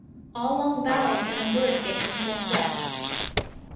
All long vowels in a word get equal stress.